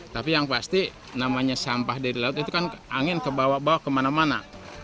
tapi yang pasti namanya sampah dari laut itu kan angin kebawa bawa kemana mana